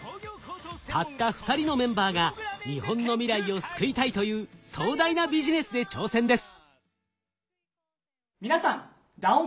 たった２人のメンバーが日本の未来を救いたいという壮大なビジネスで挑戦です。